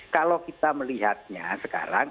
kalau kita melihatnya sekarang